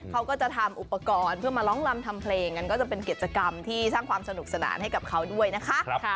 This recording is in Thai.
เขาก็จะทำอุปกรณ์เพื่อมาร้องลำทำเพลงงั้นก็จะเป็นกิจกรรมที่สร้างความสนุกสนานให้กับเขาด้วยนะคะ